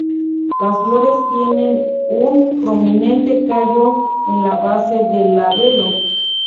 Las flores tienen un prominente callo en la base del labelo.